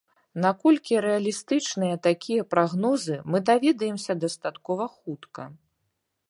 Наколькі рэалістычныя такія прагнозы, мы даведаемся дастаткова хутка.